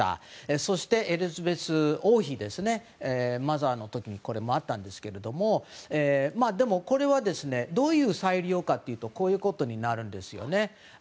そして、エリザベス王妃マザーの時にもあったんですけどこれはどういう再利用かというとこういうことになるんですよね。